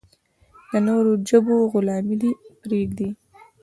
د نورو ژبو غلامي دې پرېږدي.